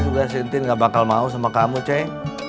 oh kerasa sudah si intin ga bakal mau sama kamu ceng